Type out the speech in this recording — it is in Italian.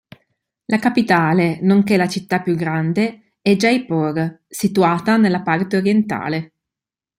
La capitale, nonché la città più grande, è Jaipur, situata nella parte orientale.